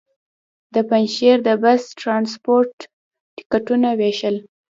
د پنجشېر د بس ټرانسپورټ ټکټونه وېشل.